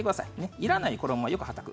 いらない衣は、よくはたく。